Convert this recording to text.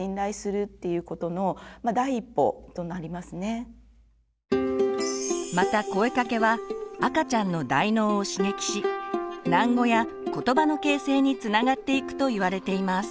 ですからまた声かけは赤ちゃんの大脳を刺激し喃語やことばの形成につながっていくといわれています。